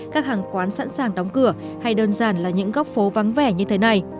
các hàng quán sẵn sàng đóng cửa hay đơn giản là những góc phố vắng vẻ như thế này